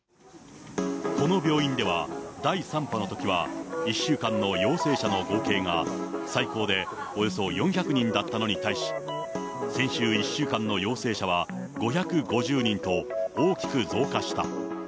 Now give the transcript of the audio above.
この病院では、第３波のときは１週間の陽性者の合計が、最高でおよそ４００人だったのに対し、先週１週間の陽性者は５５０人と、大きく増加した。